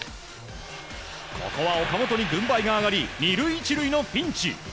ここは岡本に軍配が上がり２塁１塁のピンチ。